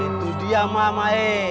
itu dia ma